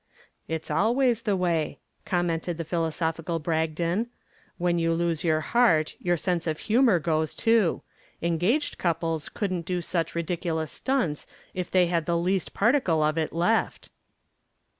"It's always the way," commented the philosophical Bragdon, "When you lose your heart your sense of humor goes too. Engaged couples couldn't do such ridiculous stunts if they had the least particle of it left."